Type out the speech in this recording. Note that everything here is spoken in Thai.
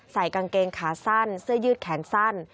กางเกงขาสั้นเสื้อยืดแขนสั้น